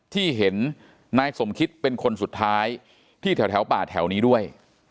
ที่เห็นนายสมคิดเป็นคนสุดท้ายที่แถวป่าแถวนี้ด้วย